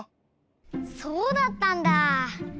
そうだったんだ！